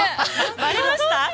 ばれました？